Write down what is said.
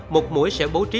một mũi sẽ bố trí